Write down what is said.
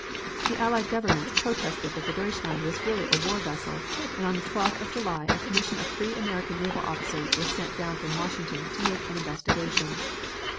The Allied governments protested that the Deutschland was really a war vessel and on the 12th of July a commission of three American naval officers was sent down from Washington to make an investigation.